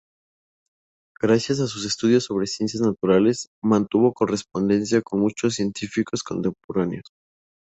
Gracias a sus estudios sobre ciencias naturales, mantuvo correspondencia con muchos científicos contemporáneos.